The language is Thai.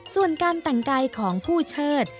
ส่วนการแต่งกายของผู้เชิด